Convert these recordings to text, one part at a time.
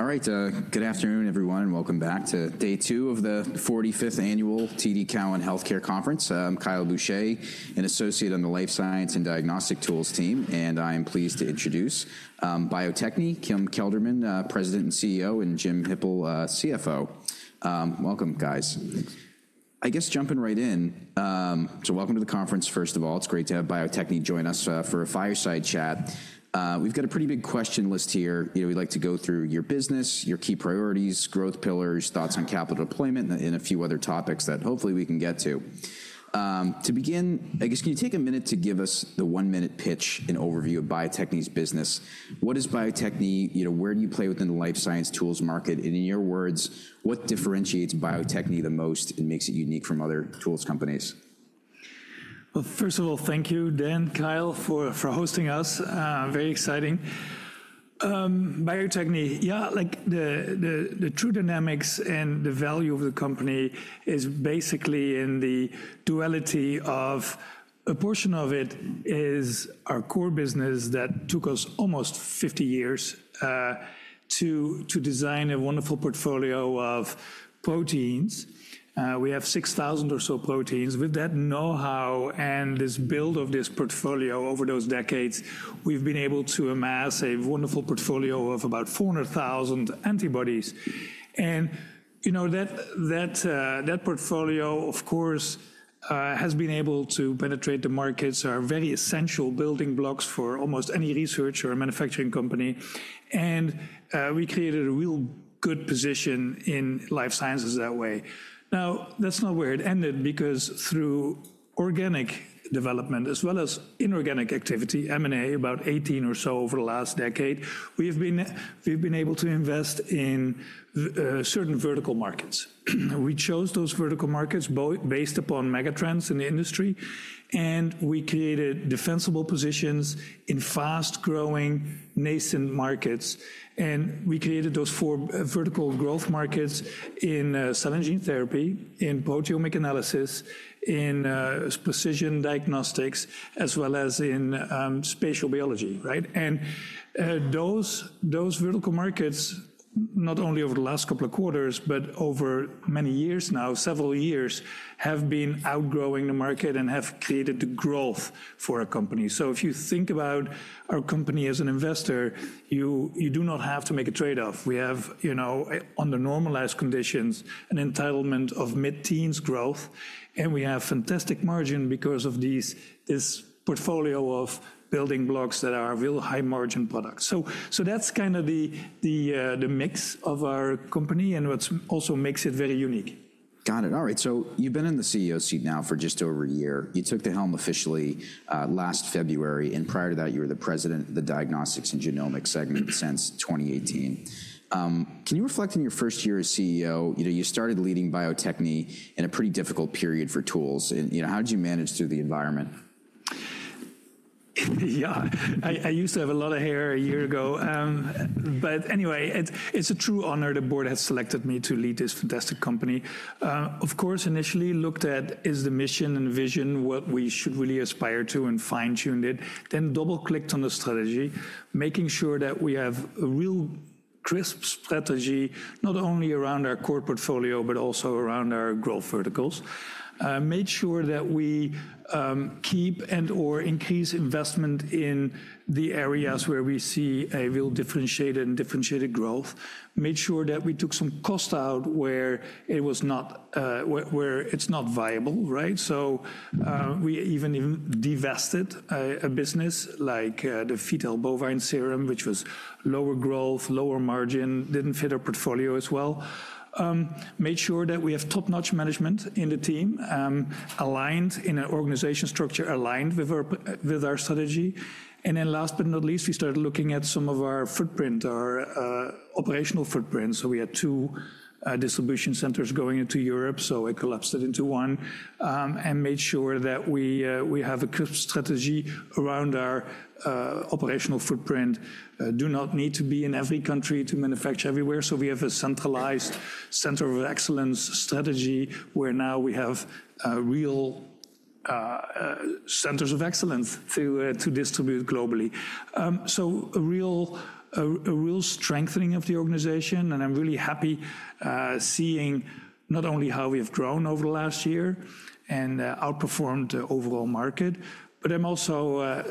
All right, good afternoon, everyone. Welcome back to day two of the 45th Annual TD Cowen Healthcare Conference. I'm Kyle Boucher, an associate on the Life Science and Diagnostic Tools team, and I am pleased to introduce Bio-Techne, Kim Kelderman, President and CEO, and Jim Hippel, CFO. Welcome, guys. I guess jumping right in, so welcome to the conference. First of all, it's great to have Bio-Techne join us for a fireside chat. We've got a pretty big question list here. We'd like to go through your business, your key priorities, growth pillars, thoughts on capital deployment, and a few other topics that hopefully we can get to. To begin, I guess, can you take a minute to give us the one-minute pitch and overview of Bio-Techne's business? What is Bio-Techne? Where do you play within the life science tools market? In your words, what differentiates Bio-Techne the most and makes it unique from other tools companies? First of all, thank you, Dan, Kyle, for hosting us. Very exciting. Bio-Techne, yeah, like the true dynamics and the value of the company is basically in the duality of a portion of it is our core business that took us almost 50 years to design a wonderful portfolio of proteins. We have 6,000 or so proteins. With that know-how and this build of this portfolio over those decades, we've been able to amass a wonderful portfolio of about 400,000 antibodies. And that portfolio, of course, has been able to penetrate the markets. They are very essential building blocks for almost any research or manufacturing company. And we created a real good position in life sciences that way. Now, that's not where it ended, because through organic development as well as inorganic activity, M&A, about 18 or so over the last decade, we've been able to invest in certain vertical markets. We chose those vertical markets based upon megatrends in the industry, and we created defensible positions in fast-growing nascent markets. And we created those four vertical growth markets in cell and gene therapy, in proteomic analysis, in precision diagnostics, as well as in spatial biology. And those vertical markets, not only over the last couple of quarters, but over many years now, several years, have been outgrowing the market and have created the growth for our company. So if you think about our company as an investor, you do not have to make a trade-off. We have, under normalized conditions, an entitlement of mid-teens growth, and we have fantastic margin because of this portfolio of building blocks that are real high-margin products. So that's kind of the mix of our company and what also makes it very unique. Got it. All right, so you've been in the CEO seat now for just over a year. You took the helm officially last February, and prior to that, you were the president of the diagnostics and genomics segment since 2018. Can you reflect on your first year as CEO? You started leading Bio-Techne in a pretty difficult period for tools. How did you manage through the environment? Yeah, I used to have a lot of hair a year ago, but anyway, it's a true honor the board has selected me to lead this fantastic company. Of course, initially, I looked at the mission and vision, what we should really aspire to, and fine-tuned it, then double-clicked on the strategy, making sure that we have a real crisp strategy, not only around our core portfolio, but also around our growth verticals. Made sure that we keep and/or increase investment in the areas where we see a real differentiated growth. Made sure that we took some cost out where it's not viable, so we even divested a business like the fetal bovine serum, which was lower growth, lower margin, didn't fit our portfolio as well. Made sure that we have top-notch management in the team, aligned in an organization structure aligned with our strategy. And then last but not least, we started looking at some of our footprint, our operational footprint. So we had two distribution centers going into Europe, so it collapsed into one, and made sure that we have a crisp strategy around our operational footprint. Do not need to be in every country to manufacture everywhere. So we have a centralized center of excellence strategy where now we have real centers of excellence to distribute globally. So a real strengthening of the organization, and I'm really happy seeing not only how we have grown over the last year and outperformed the overall market, but I'm also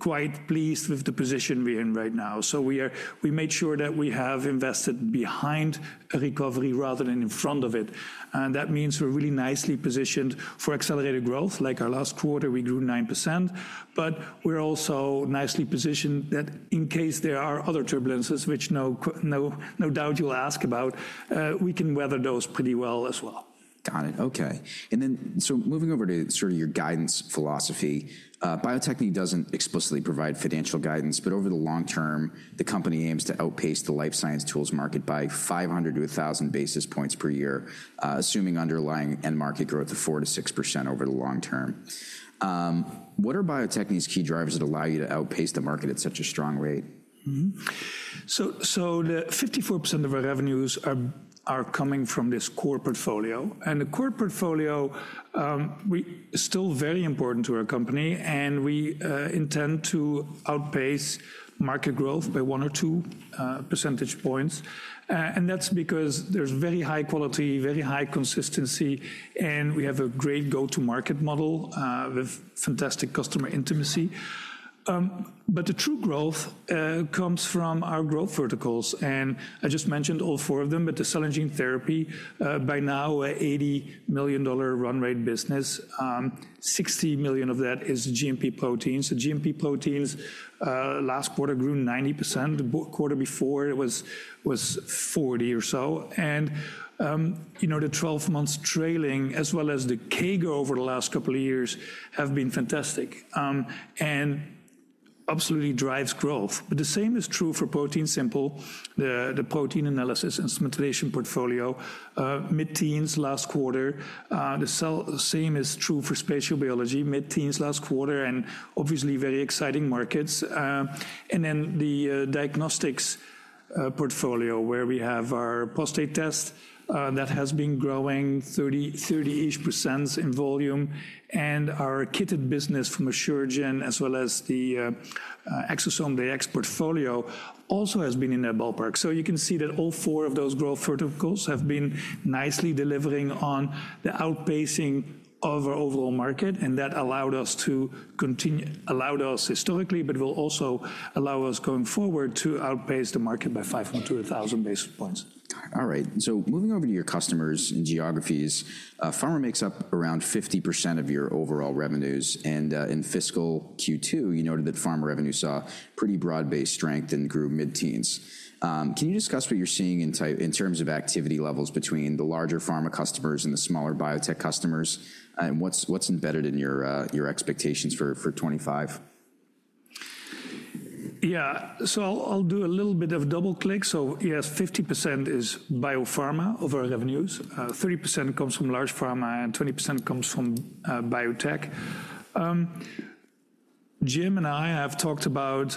quite pleased with the position we're in right now. So we made sure that we have invested behind a recovery rather than in front of it. And that means we're really nicely positioned for accelerated growth. Like our last quarter, we grew 9%, but we're also nicely positioned that in case there are other turbulences, which no doubt you'll ask about, we can weather those pretty well as well. Got it. OK. And then so moving over to sort of your guidance philosophy, Bio-Techne doesn't explicitly provide financial guidance, but over the long term, the company aims to outpace the life science tools market by 500-1,000 basis points per year, assuming underlying end market growth of 4%-6% over the long term. What are Bio-Techne's key drivers that allow you to outpace the market at such a strong rate? So 54% of our revenues are coming from this core portfolio. And the core portfolio is still very important to our company, and we intend to outpace market growth by one or two percentage points. And that's because there's very high quality, very high consistency, and we have a great go-to-market model with fantastic customer intimacy. But the true growth comes from our growth verticals. And I just mentioned all four of them, but the cell and gene therapy, by now, we're an $80 million run-rate business. $60 million of that is GMP proteins. The GMP proteins last quarter grew 90%. The quarter before was 40% or so. And the 12-month trailing, as well as the CAGR over the last couple of years, have been fantastic and absolutely drive growth. But the same is true for ProteinSimple, the protein analysis instrumentation portfolio. Mid-teens, last quarter. The same is true for spatial biology. Mid-teens, last quarter, and obviously very exciting markets, and then the diagnostics portfolio, where we have our prostate test that has been growing 30%-ish in volume. And our kitted business from Asuragen, as well as the ExosomeDx portfolio, also has been in that ballpark, so you can see that all four of those growth verticals have been nicely delivering on the outpacing of our overall market, and that allowed us to continue historically, but will also allow us going forward to outpace the market by 500-1,000 basis points. All right, so moving over to your customers and geographies, pharma makes up around 50% of your overall revenues. And in fiscal Q2, you noted that pharma revenue saw pretty broad-based strength and grew mid-teens. Can you discuss what you're seeing in terms of activity levels between the larger pharma customers and the smaller biotech customers? And what's embedded in your expectations for 2025? Yeah, so I'll do a little bit of double-click. So yes, 50% is biopharma of our revenues. 30% comes from large pharma and 20% comes from biotech. Jim and I have talked about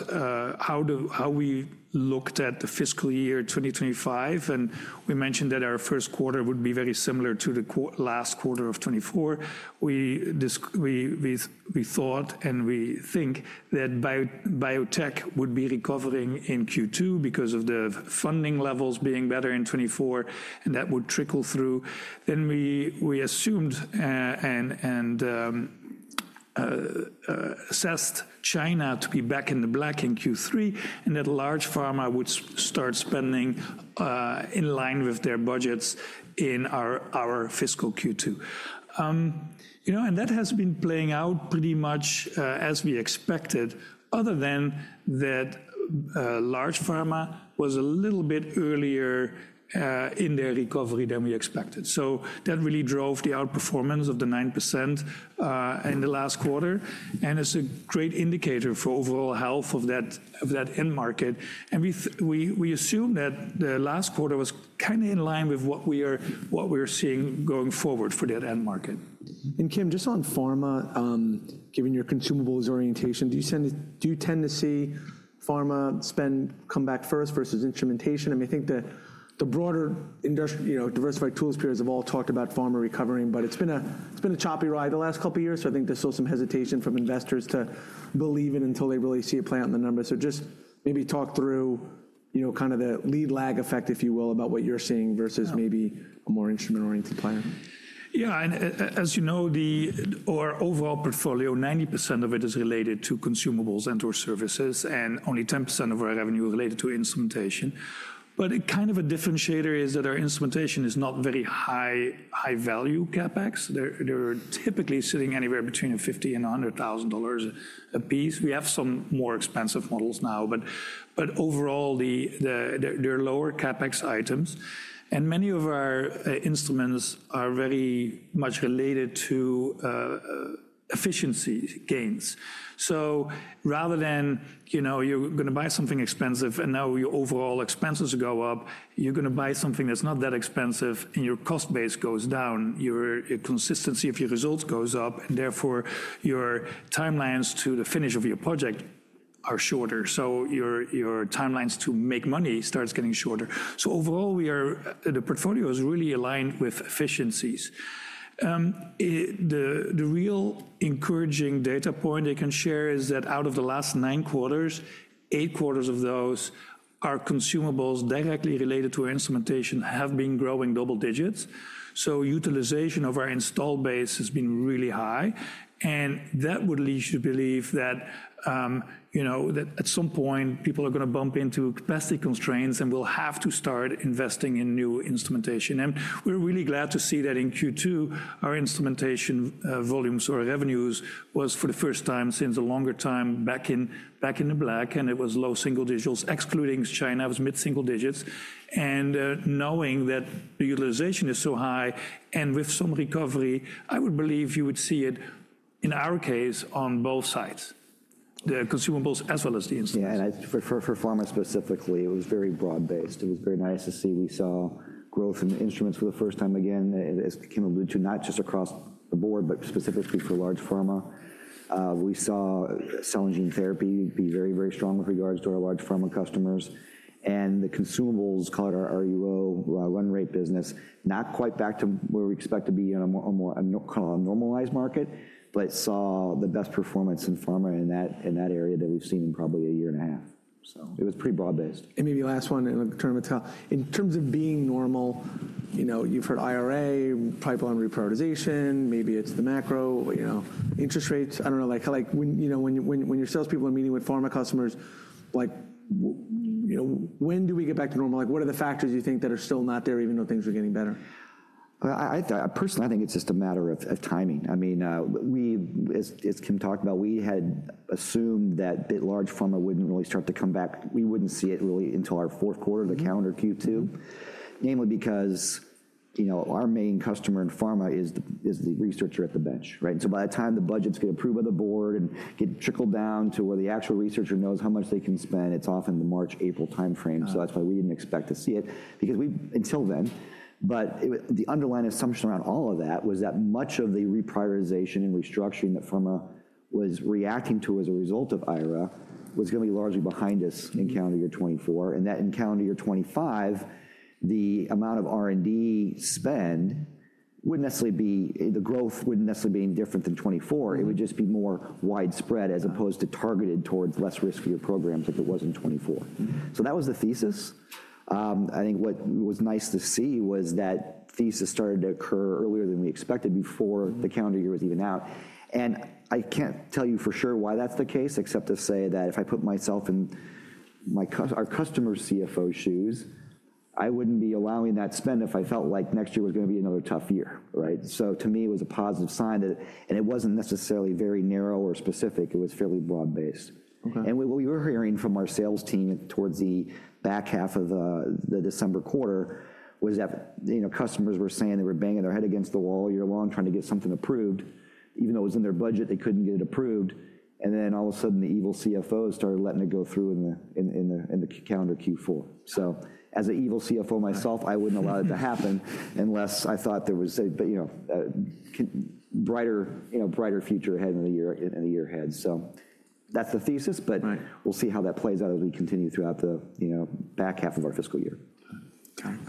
how we looked at the fiscal year 2025, and we mentioned that our first quarter would be very similar to the last quarter of 2024. We thought and we think that biotech would be recovering in Q2 because of the funding levels being better in 2024, and that would trickle through. Then we assumed and assessed China to be back in the black in Q3, and that large pharma would start spending in line with their budgets in our fiscal Q2. And that has been playing out pretty much as we expected, other than that large pharma was a little bit earlier in their recovery than we expected. So that really drove the outperformance of the 9% in the last quarter, and it's a great indicator for overall health of that end market. And we assume that the last quarter was kind of in line with what we are seeing going forward for that end market. And Kim, just on pharma, given your consumables orientation, do you tend to see pharma spend come back first versus instrumentation? I mean, I think the broader diversified tools players have all talked about pharma recovering, but it's been a choppy ride the last couple of years. So I think there's still some hesitation from investors to believe in until they really see a play on the numbers. So just maybe talk through kind of the lead lag effect, if you will, about what you're seeing versus maybe a more instrument-oriented player. Yeah, and as you know, our overall portfolio, 90% of it is related to consumables and/or services, and only 10% of our revenue is related to instrumentation. But kind of a differentiator is that our instrumentation is not very high-value CapEx. They're typically sitting anywhere between $50,000-$100,000 apiece. We have some more expensive models now, but overall, they're lower CapEx items. And many of our instruments are very much related to efficiency gains. So rather than you're going to buy something expensive, and now your overall expenses go up, you're going to buy something that's not that expensive, and your cost base goes down. Your consistency of your results goes up, and therefore your timelines to the finish of your project are shorter. So your timelines to make money starts getting shorter. So overall, the portfolio is really aligned with efficiencies. The real encouraging data point I can share is that out of the last nine quarters, eight quarters of those, our consumables directly related to our instrumentation have been growing double digits. So utilization of our install base has been really high. And that would lead you to believe that at some point, people are going to bump into capacity constraints and we'll have to start investing in new instrumentation. And we're really glad to see that in Q2, our instrumentation volumes or revenues was for the first time since a longer time back in the black, and it was low single digits, excluding China. It was mid-single digits. And knowing that the utilization is so high and with some recovery, I would believe you would see it, in our case, on both sides, the consumables as well as the instruments. Yeah, and for pharma specifically, it was very broad-based. It was very nice to see we saw growth in the instruments for the first time again. As Kim alluded to, not just across the board, but specifically for large pharma. We saw cell and gene therapy be very, very strong with regards to our large pharma customers. And the consumables, call it our RUO run-rate business, not quite back to where we expect to be in a more normalized market, but saw the best performance in pharma in that area that we've seen in probably a year and a half. So it was pretty broad-based. And maybe last one, and I'll turn it to Kyle. In terms of being normal, you've heard IRA, pipeline reprioritization, maybe it's the macro, interest rates. I don't know. When your salespeople are meeting with pharma customers, when do we get back to normal? What are the factors you think that are still not there, even though things are getting better? Personally, I think it's just a matter of timing. I mean, as Kim talked about, we had assumed that large pharma wouldn't really start to come back. We wouldn't see it really until our fourth quarter of the calendar Q2, namely because our main customer in pharma is the researcher at the bench, and so by the time the budgets get approved by the board and get trickled down to where the actual researcher knows how much they can spend, it's often the March-April time frame, so that's why we didn't expect to see it, because until then, but the underlying assumption around all of that was that much of the reprioritization and restructuring that pharma was reacting to as a result of IRA was going to be largely behind us in calendar year 2024. That in calendar year 2025, the amount of R&D spend wouldn't necessarily be the growth wouldn't necessarily be any different than 2024. It would just be more widespread as opposed to targeted towards less riskier programs like it was in 2024. So that was the thesis. I think what was nice to see was that thesis started to occur earlier than we expected before the calendar year was even out. And I can't tell you for sure why that's the case, except to say that if I put myself in our customer CFO shoes, I wouldn't be allowing that spend if I felt like next year was going to be another tough year. So to me, it was a positive sign. And it wasn't necessarily very narrow or specific. It was fairly broad-based. What we were hearing from our sales team towards the back half of the December quarter was that customers were saying they were banging their head against the wall year long trying to get something approved. Even though it was in their budget, they couldn't get it approved. And then all of a sudden, the evil CFO started letting it go through in the calendar Q4. So as an evil CFO myself, I wouldn't allow it to happen unless I thought there was a brighter future ahead in the year ahead. So that's the thesis, but we'll see how that plays out as we continue throughout the back half of our fiscal year.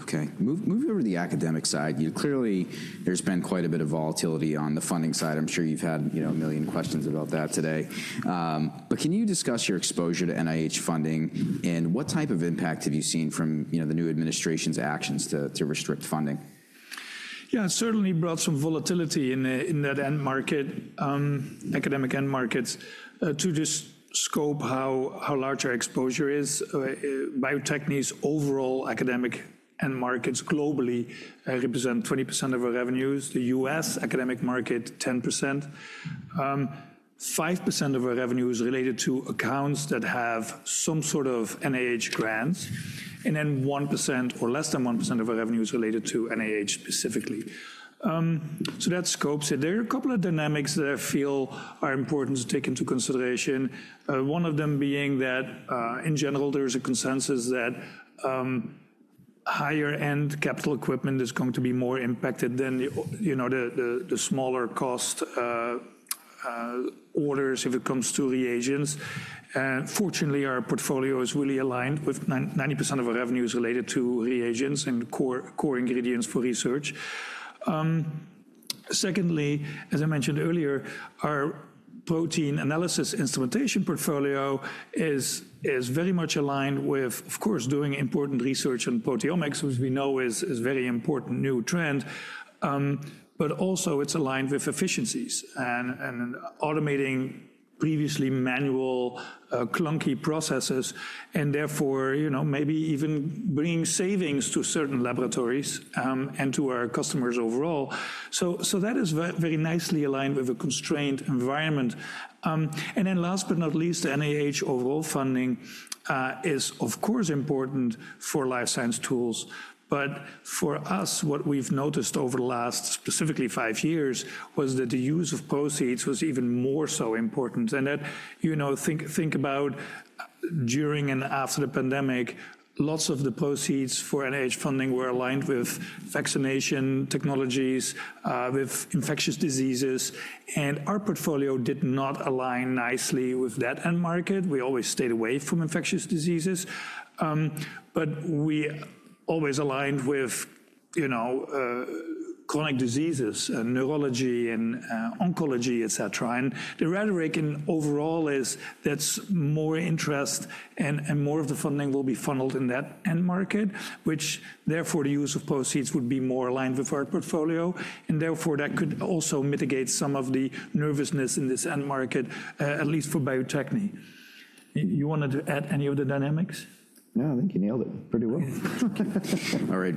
OK. Moving over to the academic side, clearly, there's been quite a bit of volatility on the funding side. I'm sure you've had a million questions about that today. But can you discuss your exposure to NIH funding? And what type of impact have you seen from the new administration's actions to restrict funding? Yeah, it certainly brought some volatility in that end market, academic end markets, to just scope how large our exposure is. Bio-Techne's overall academic end markets globally represent 20% of our revenues. The U.S. academic market, 10%. 5% of our revenue is related to accounts that have some sort of NIH grants. And then 1% or less than 1% of our revenue is related to NIH specifically. So that scopes it. There are a couple of dynamics that I feel are important to take into consideration. One of them being that, in general, there is a consensus that higher-end capital equipment is going to be more impacted than the smaller cost orders if it comes to reagents. And fortunately, our portfolio is really aligned with 90% of our revenue is related to reagents and core ingredients for research. Secondly, as I mentioned earlier, our protein analysis instrumentation portfolio is very much aligned with, of course, doing important research on proteomics, which we know is a very important new trend. But also, it's aligned with efficiencies and automating previously manual, clunky processes, and therefore maybe even bringing savings to certain laboratories and to our customers overall. So that is very nicely aligned with a constrained environment. And then last but not least, the NIH overall funding is, of course, important for life science tools. But for us, what we've noticed over the last specifically five years was that the use of proceeds was even more so important. And think about during and after the pandemic, lots of the proceeds for NIH funding were aligned with vaccination technologies, with infectious diseases. And our portfolio did not align nicely with that end market. We always stayed away from infectious diseases. But we always aligned with chronic diseases and neurology and oncology, et cetera. And the rhetoric overall is that more interest and more of the funding will be funneled in that end market, which therefore the use of proceeds would be more aligned with our portfolio. And therefore, that could also mitigate some of the nervousness in this end market, at least for Bio-Techne. You wanted to add any of the dynamics? No, I think you nailed it pretty well. All right,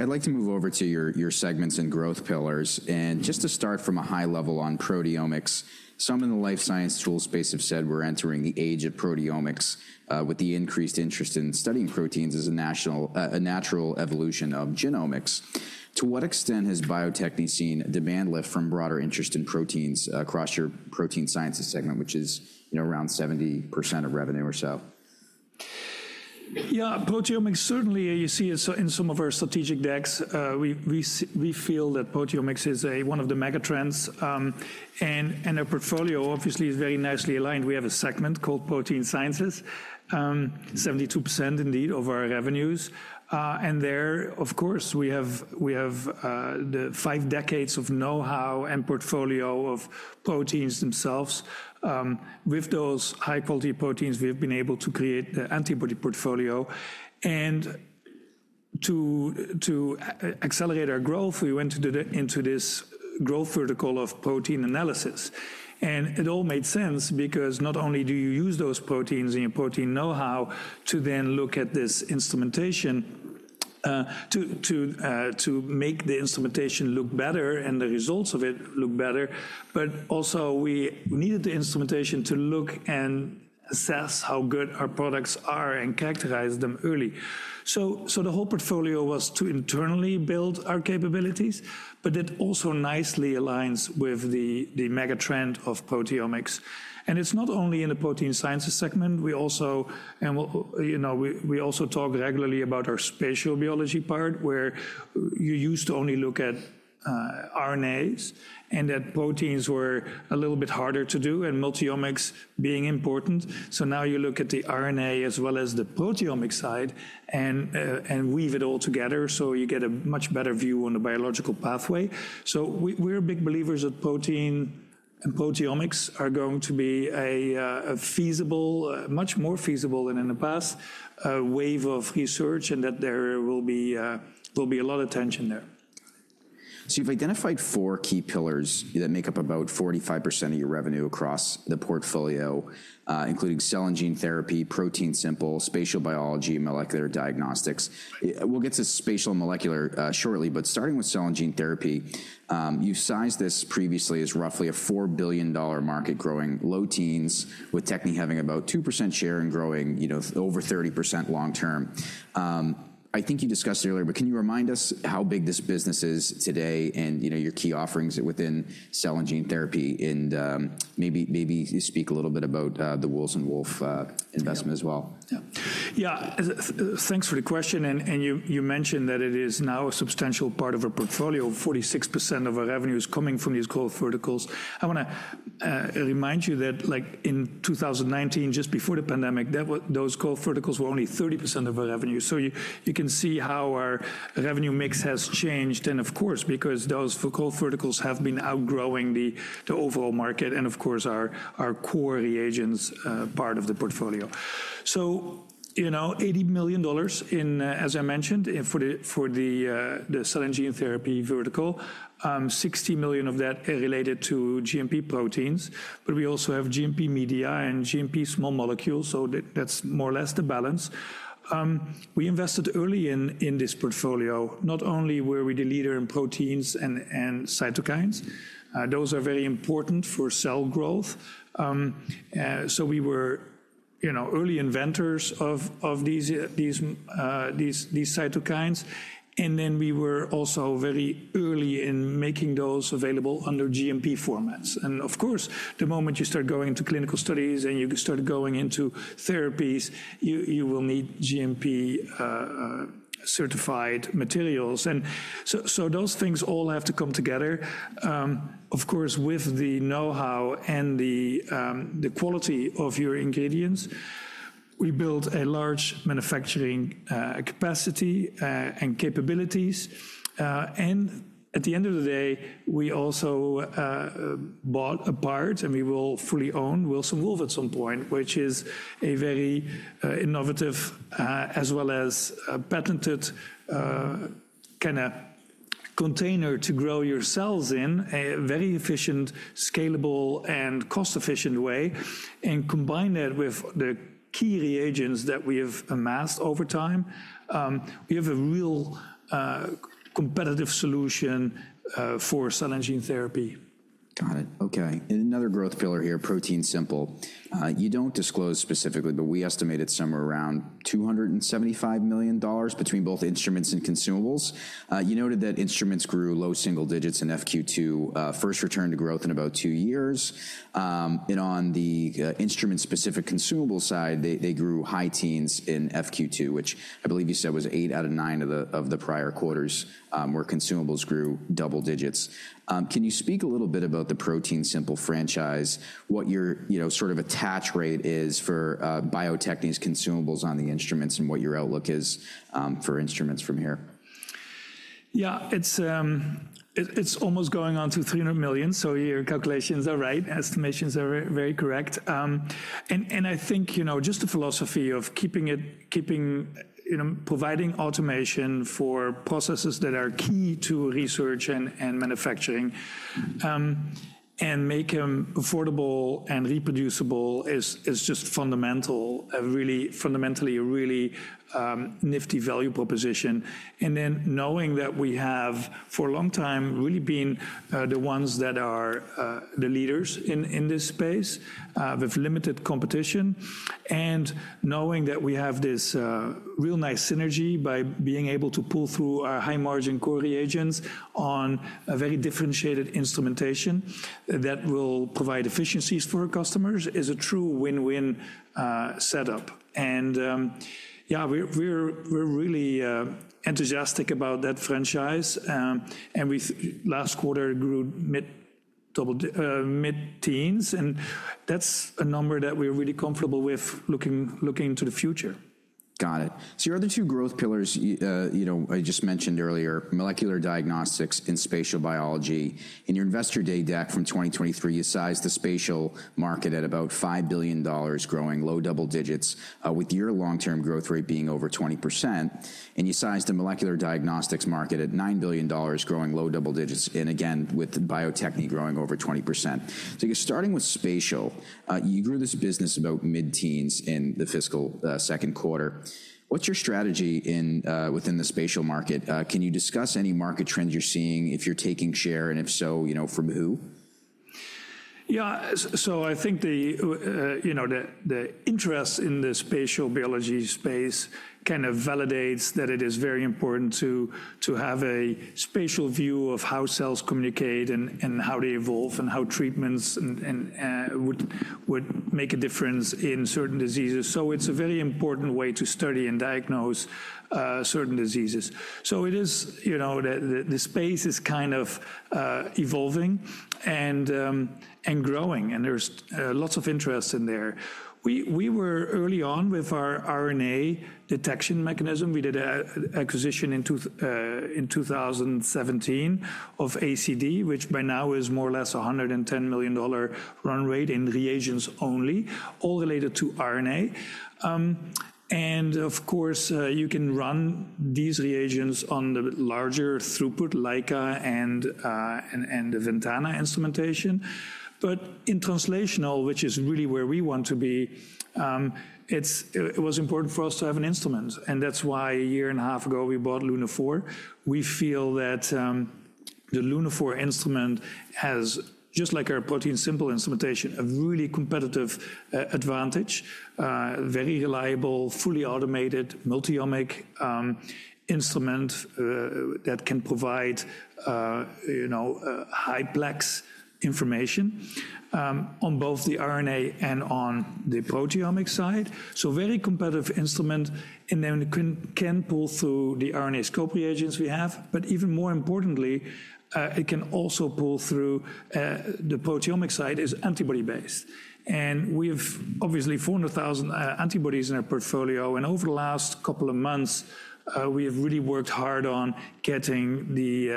I'd like to move over to your segments and growth pillars. Just to start from a high level on proteomics, some in the life science tool space have said we're entering the age of proteomics with the increased interest in studying proteins as a natural evolution of genomics. To what extent has Bio-Techne seen a demand lift from broader interest in proteins across your protein sciences segment, which is around 70% of revenue or so? Yeah, proteomics certainly, you see it in some of our strategic decks. We feel that proteomics is one of the megatrends. And our portfolio obviously is very nicely aligned. We have a segment called protein sciences, 72% indeed of our revenues. And there, of course, we have the five decades of know-how and portfolio of proteins themselves. With those high-quality proteins, we have been able to create the antibody portfolio. And to accelerate our growth, we went into this growth vertical of protein analysis. And it all made sense because not only do you use those proteins in your protein know-how to then look at this instrumentation to make the instrumentation look better and the results of it look better, but also we needed the instrumentation to look and assess how good our products are and characterize them early. So the whole portfolio was to internally build our capabilities, but it also nicely aligns with the megatrend of proteomics. And it's not only in the protein sciences segment. We also talk regularly about our spatial biology part, where you used to only look at RNAs and that proteins were a little bit harder to do and multiomics being important. So now you look at the RNA as well as the proteomic side and weave it all together so you get a much better view on the biological pathway. So we're big believers that protein and proteomics are going to be a feasible, much more feasible than in the past, wave of research and that there will be a lot of attention there. So you've identified four key pillars that make up about 45% of your revenue across the portfolio, including cell and gene therapy, ProteinSimple, spatial biology, and molecular diagnostics. We'll get to spatial and molecular shortly. But starting with cell and gene therapy, you sized this previously as roughly a $4 billion market growing low teens, with Bio-Techne having about 2% share and growing over 30% long term. I think you discussed it earlier, but can you remind us how big this business is today and your key offerings within cell and gene therapy? And maybe speak a little bit about the Wilson Wolf investment as well. Yeah, thanks for the question. And you mentioned that it is now a substantial part of our portfolio. 46% of our revenue is coming from these growth verticals. I want to remind you that in 2019, just before the pandemic, those growth verticals were only 30% of our revenue. So you can see how our revenue mix has changed. And of course, because those growth verticals have been outgrowing the overall market and, of course, our core reagents part of the portfolio. So $80 million in, as I mentioned, for the cell and gene therapy vertical, $60 million of that related to GMP proteins. But we also have GMP media and GMP small molecules. So that's more or less the balance. We invested early in this portfolio, not only were we the leader in proteins and cytokines. Those are very important for cell growth. So we were early inventors of these cytokines. And then we were also very early in making those available under GMP formats. And of course, the moment you start going into clinical studies and you start going into therapies, you will need GMP-certified materials. And so those things all have to come together, of course, with the know-how and the quality of your ingredients. We built a large manufacturing capacity and capabilities. And at the end of the day, we also bought a part, and we will fully own Wilson Wolf at some point, which is a very innovative as well as patented kind of container to grow your cells in a very efficient, scalable, and cost-efficient way. And combined that with the key reagents that we have amassed over time, we have a real competitive solution for cell and gene therapy. Got it. OK. And another growth pillar here, ProteinSimple. You don't disclose specifically, but we estimate it somewhere around $275 million between both instruments and consumables. You noted that instruments grew low single digits in FQ2, first return to growth in about two years. And on the instrument-specific consumable side, they grew high teens in FQ2, which I believe you said was eight out of nine of the prior quarters where consumables grew double digits. Can you speak a little bit about the ProteinSimple franchise, what your sort of attach rate is for Bio-Techne's consumables on the instruments and what your outlook is for instruments from here? Yeah, it's almost going on to $300 million. So your calculations are right. Estimations are very correct, and I think just the philosophy of providing automation for processes that are key to research and manufacturing and make them affordable and reproducible is just fundamentally a really nifty value proposition. And then knowing that we have for a long time really been the ones that are the leaders in this space with limited competition, and knowing that we have this real nice synergy by being able to pull through our high-margin core reagents on a very differentiated instrumentation that will provide efficiencies for our customers is a true win-win setup. And yeah, we're really enthusiastic about that franchise. And last quarter grew mid-teens. And that's a number that we're really comfortable with looking into the future. Got it. So your other two growth pillars I just mentioned earlier, molecular diagnostics and spatial biology. In your investor day deck from 2023, you sized the spatial market at about $5 billion growing low double digits, with your long-term growth rate being over 20%. And you sized the molecular diagnostics market at $9 billion growing low double digits, and again, with Bio-Techne growing over 20%. So you're starting with spatial. You grew this business about mid teens in the fiscal second quarter. What's your strategy within the spatial market? Can you discuss any market trends you're seeing, if you're taking share? And if so, from who? Yeah, so I think the interest in the spatial biology space kind of validates that it is very important to have a spatial view of how cells communicate and how they evolve and how treatments would make a difference in certain diseases. So it's a very important way to study and diagnose certain diseases. So it is the space is kind of evolving and growing. And there's lots of interest in there. We were early on with our RNA detection mechanism. We did an acquisition in 2017 of ACD, which by now is more or less a $110 million run rate in reagents only, all related to RNA. And of course, you can run these reagents on the larger throughput, Leica and the Ventana instrumentation. But in translational, which is really where we want to be, it was important for us to have an instrument. And that's why a year and a half ago we bought Lunaphore. We feel that the Lunaphore instrument has, just like our ProteinSimple instrumentation, a really competitive advantage, a very reliable, fully automated multiomic instrument that can provide high-plex information on both the RNA and on the proteomic side. So very competitive instrument. And then it can pull through the RNAscope reagents we have. But even more importantly, it can also pull through the proteomic side is antibody-based. And we have obviously 400,000 antibodies in our portfolio. And over the last couple of months, we have really worked hard on getting the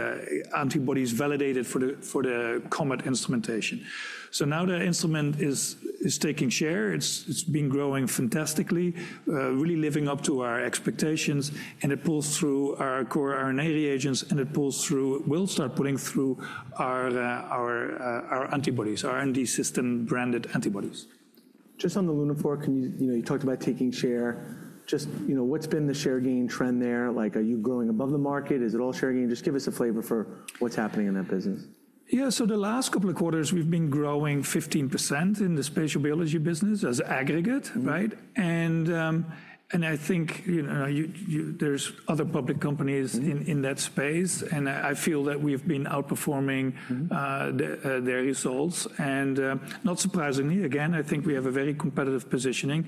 antibodies validated for the COMET instrumentation. So now the instrument is taking share. It's been growing fantastically, really living up to our expectations. And it pulls through our core RNA reagents. And it will start putting through our antibodies, our R&D Systems-branded antibodies. Just on the Lunaphore, you talked about taking share. Just what's been the share gain trend there? Are you growing above the market? Is it all share gain? Just give us a flavor for what's happening in that business. Yeah, so the last couple of quarters, we've been growing 15% in the spatial biology business as aggregate. And I think there's other public companies in that space. And I feel that we have been outperforming their results. And not surprisingly, again, I think we have a very competitive positioning.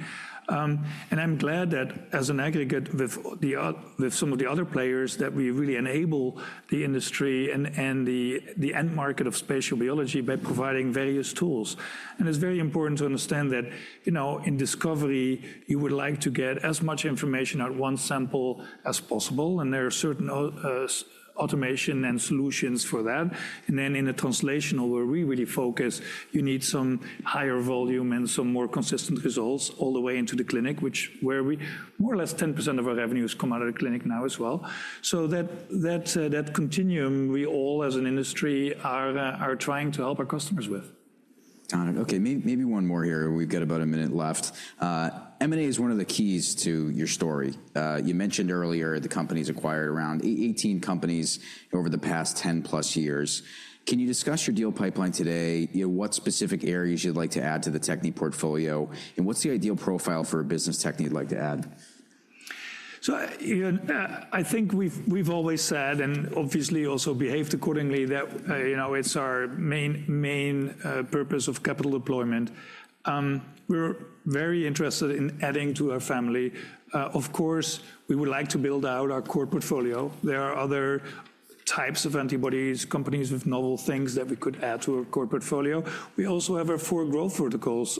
And I'm glad that as an aggregate with some of the other players that we really enable the industry and the end market of spatial biology by providing various tools. And it's very important to understand that in discovery, you would like to get as much information out of one sample as possible. And there are certain automation and solutions for that. Then, in a translational, where we really focus, you need some higher volume and some more consistent results all the way into the clinic, which is where more or less 10% of our revenues come out of the clinic now as well, so that continuum, we all as an industry are trying to help our customers with. Got it. OK, maybe one more here. We've got about a minute left. M&A is one of the keys to your story. You mentioned earlier the company's acquired around 18 companies over the past 10-plus years. Can you discuss your deal pipeline today, what specific areas you'd like to add to the Bio-Techne portfolio, and what's the ideal profile for a business Bio-Techne you'd like to add? I think we've always said and obviously also behaved accordingly that it's our main purpose of capital deployment. We're very interested in adding to our family. Of course, we would like to build out our core portfolio. There are other types of antibodies, companies with novel things that we could add to our core portfolio. We also have our four growth verticals,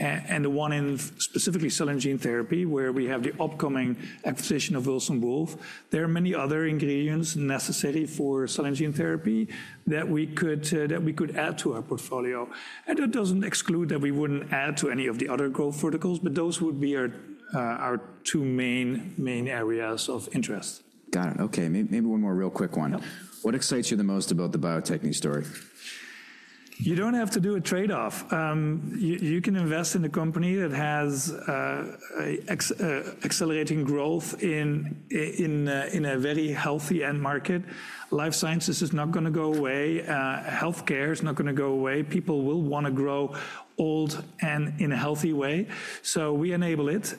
and the one in specifically cell and gene therapy, where we have the upcoming acquisition of Wilson Wolf. There are many other ingredients necessary for cell and gene therapy that we could add to our portfolio. It doesn't exclude that we wouldn't add to any of the other growth verticals, but those would be our two main areas of interest. Got it. OK, maybe one more real quick one. What excites you the most about the Bio-Techne story? You don't have to do a trade-off. You can invest in a company that has accelerating growth in a very healthy end market. Life sciences is not going to go away. Health care is not going to go away. People will want to grow old and in a healthy way. So we enable it.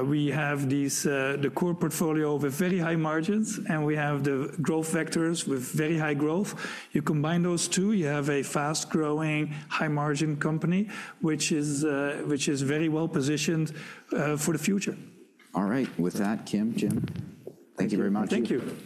We have the core portfolio with very high margins, and we have the growth vectors with very high growth. You combine those two, you have a fast-growing, high-margin company, which is very well positioned for the future. All right. With that, Kim, Jim. Thank you very much. Thank you.